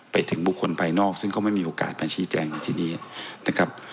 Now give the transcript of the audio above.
ไปถึงบุคคลภายนอกซึ่งก็ไม่มีโอกาสมาชี้แจงในทีนี้นะครับ